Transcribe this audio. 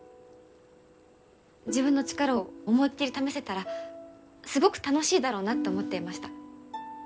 自分の力を思いっきり試せたらすごく楽しいだろうなって思っていました。